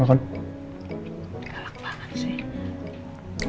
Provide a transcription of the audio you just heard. galak banget sih